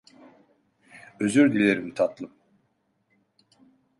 Özür dilerim tatlım.